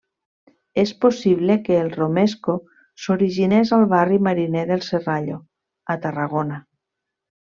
És possible que el romesco s'originés al barri mariner del Serrallo, a Tarragona.